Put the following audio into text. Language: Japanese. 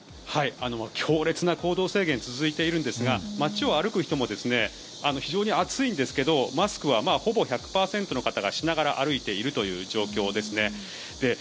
強烈な行動制限は続いているんですが街を歩く人も非常に暑いんですがマスクはほぼ１００％の方がしながら歩いているという状況です。